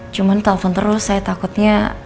cuman telpon terus saya takutnya